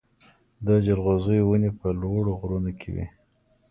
د جلغوزیو ونې په لوړو غرونو کې وي.